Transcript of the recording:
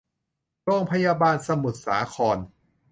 โรงพยาบาลสมุทรสาคร